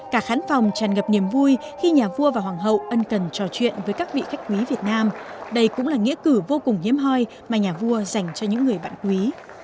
cả khán phòng tràn ngập niềm vui khi nhà vua và hoàng hậu ân cần trò chuyện với các vị khách quý việt nam đây cũng là nghĩa cử vô cùng hiếm hoi mà nhà vua dành cho những người bạn quý